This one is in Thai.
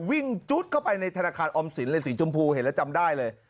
จุ๊ดเข้าไปในธนาคารออมสินเลยสีชมพูเห็นแล้วจำได้เลย